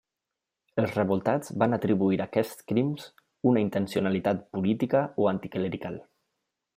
Els revoltats van atribuir a aquests crims una intencionalitat política o anticlerical.